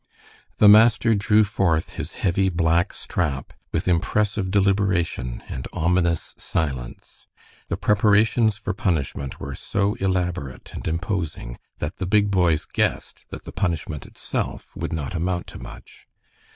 The master drew forth his heavy black strap with impressive deliberation and ominous silence. The preparations for punishment were so elaborate and imposing that the big boys guessed that the punishment itself would not amount to much.